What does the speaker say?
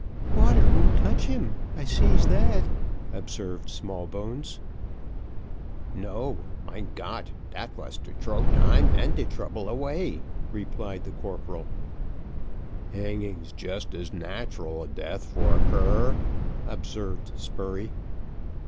"Water won't touch him, I sees that," observed Smallbones. "No. Mein Gott, dat was to trow time and de trouble away," replied the corporal. "Hanging's just as natural a death for a cur," observed Spurey.